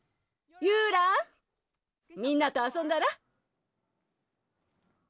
ユーランみんなとあそんだら？